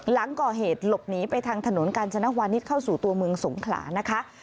หลังก่อเหตุหลบหนีไปทางถนนกาญจนวานิสเข้าสู่ตัวเมืองสงขลานะคะ